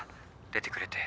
出てくれて。